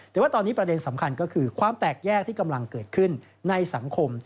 แต่ว่าตอนนี้ประเด็นสำคัญก็คือความแตกแยกที่กำลังเกิดขึ้นในสังคม